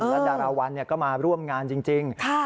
แล้วดาราวันก็มาร่วมงานจริง